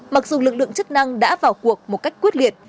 mặc dù lực lượng chức năng đã vào cuộc một cách quyết liệt